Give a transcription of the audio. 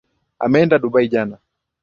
Ameenda dubai jana.